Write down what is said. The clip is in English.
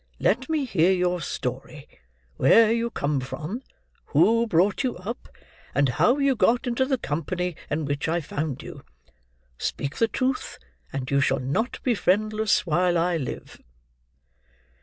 Let me hear your story; where you come from; who brought you up; and how you got into the company in which I found you. Speak the truth, and you shall not be friendless while I live."